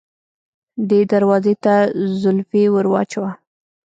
دې دروازې ته زولفی ور واچوه.